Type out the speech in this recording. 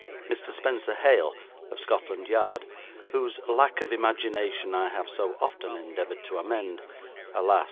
Mr. Spenser Hale, of Scotland Yard, whose lack of imagination I have so often endeavoured to amend, alas!